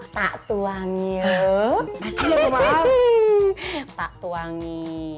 tak tuangi tak tuangi